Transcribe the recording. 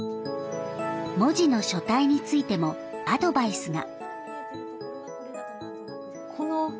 文字の書体についてもアドバイスが。